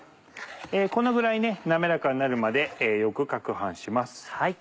このぐらい滑らかになるまでよく攪拌します。